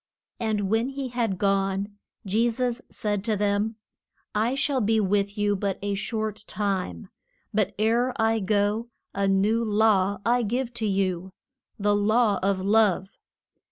And when he had gone, Je sus said to them, I shall be with you but a short time. But ere I go a new law I give to you the law of love.